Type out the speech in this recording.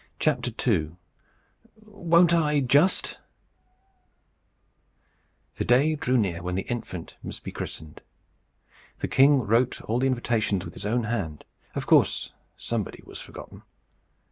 II. WON'T I, JUST? The day drew near when the infant must be christened. The king wrote all the invitations with his own hand. Of course somebody was forgotten.